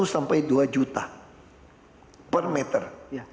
sepuluh sampai dua juta per meter